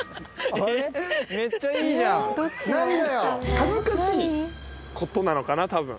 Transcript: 恥ずかしい事なのかな多分。